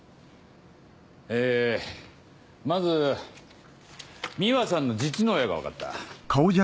えまず美羽さんの実の親が分かった。